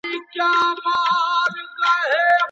شريعت د دوی د اصلاح لپاره دا طريقه ايښي ده.